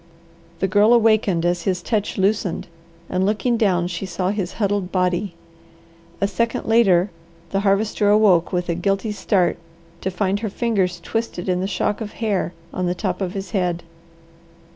The Girl awakened as his touch loosened and looking down she saw his huddled body. A second later the Harvester awoke with a guilty start to find her fingers twisted in the shock of hair on the top of his head.